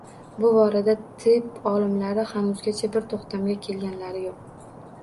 Bu borada tib olimlari hanuzgacha bir to‘xtamga kelganlari yo‘q.